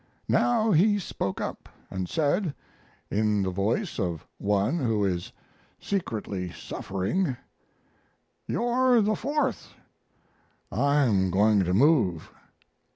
Now he spoke up and said, in the voice of one who is secretly suffering, "You're the fourth I'm going to move."